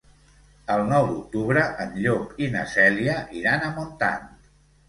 El nou d'octubre en Llop i na Cèlia iran a Montant.